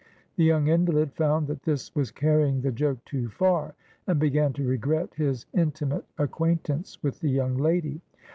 The young invalid found that this was carrying the joke too far, and began to regret his intimate acquaint ance with the young lady.